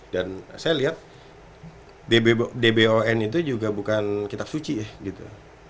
dan saya lihat dbon itu juga bukan kitab suci gitu